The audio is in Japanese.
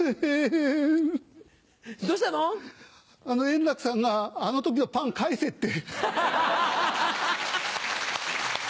円楽さんがあの時のパン返せって。